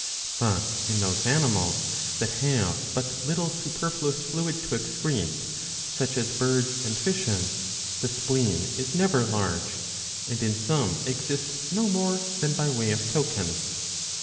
But in those animals that have but little superfluous fluid to excrete, such as birds and fishes, the spleen is never large, and in some exists no more than by way of token.